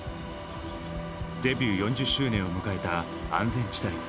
デビュー４０周年を迎えた安全地帯。